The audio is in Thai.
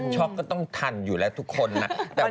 ก็ต้องทันอยู่แล้วทุกคนนะ